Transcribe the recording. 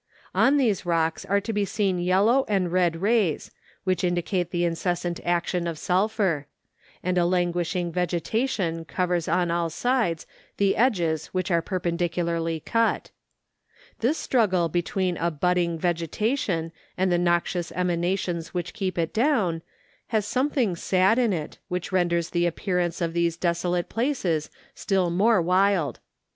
On these rocks are to be seen yellow and red rays, which indicate the incessant action of sulphur; and a languishing vegetation covers on all sides the edges which are perpendicularly cut. This struggle between a bud¬ ding vegetation and the noxious emanations •Which keep it do wn, has something sad in it, which renders the appearance of these desolate places still more wild.